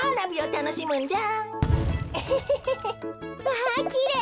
わきれい！